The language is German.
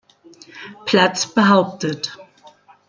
Platz behauptet.